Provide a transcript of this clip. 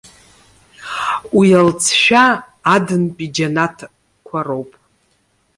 Уи алҵшәа, Аднтәи џьанаҭқәа роуп.